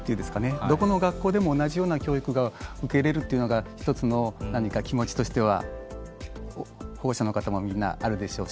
どこの学校でも同じような教育が受けれるっていうのが１つの何か気持ちとしては保護者の方もみんなあるでしょうし。